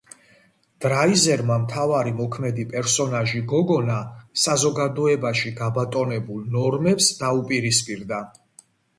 დრაიზერმა მთავარი მოქმედი პერსონაჟი გოგონა საზოგადოებაში გაბატონებულ ნორმებს დაუპირისპირდა.